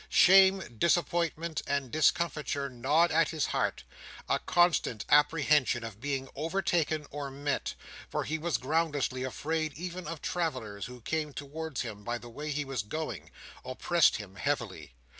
Shame, disappointment, and discomfiture gnawed at his heart; a constant apprehension of being overtaken, or met—for he was groundlessly afraid even of travellers, who came towards him by the way he was going—oppressed him heavily.